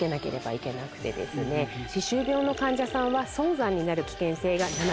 歯周病の患者さんは早産になる危険性が。